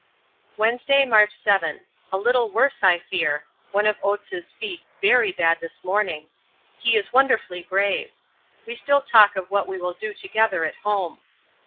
Wednesday, March 7. A little worse I fear. One of Oates' feet very bad this morning; he is wonderfully brave. We still talk of what we will do together at home.